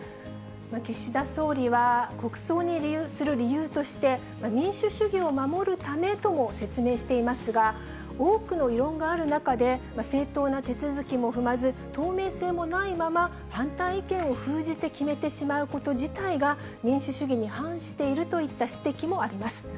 岸田総理は、国葬にする理由として、民主主義を守るためとも説明していますが、多くの異論がある中で、正当な手続きも踏まず、透明性もないまま反対意見を封じて決めてしまうこと自体が民主主義に反しているといった指摘もあります。